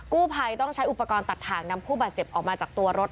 กู้ภัยต้องใช้อุปกรณ์ตัดถ่างนำผู้บาดเจ็บออกมาจากตัวรถ